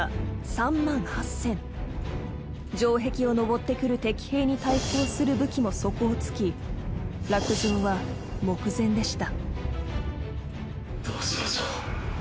［城壁を登ってくる敵兵に対抗する武器も底を突き落城は目前でした］